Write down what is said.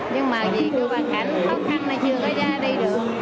nhưng mà vì cư bà khánh khó khăn là chưa có ra đi được